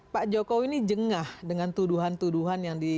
pak jokowi ini jengah dengan tuduhan tuduhan yang di